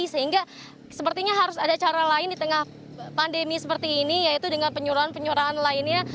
sehingga sepertinya harus ada cara lain di tengah pandemi seperti ini yaitu dengan penyuruhan penyurahan lainnya